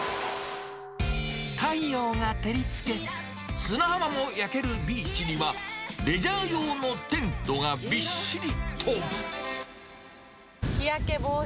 太陽が照りつけ、砂浜も焼けるビーチには、レジャー用のテントがびっしりと。